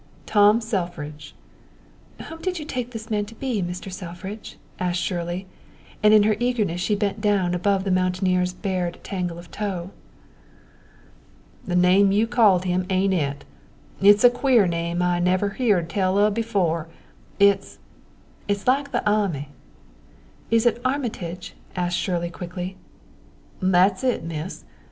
"Tom Selfridge." "Whom did you take that man to be, Mr. Selfridge?" asked Shirley, and in her eagerness she bent down above the mountaineer's bared tangle of tow. "The name you called him ain't it. It's a queer name I never heerd tell on befo' it's it's like the a'my " "Is it Armitage?" asked Shirley quickly. "That's it, Miss!